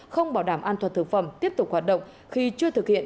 không bảo đảm an toàn thực phẩm tiếp tục hoạt động khi chưa thực hiện